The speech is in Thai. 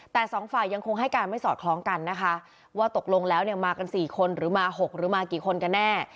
แต่สองฝ่ายยังคงให้การไม่สอดคล้องกันนะคะว่าตกลงแล้วเนี่ยมากัน๔คนหรือมา๖หรือมากี่คนกันแน่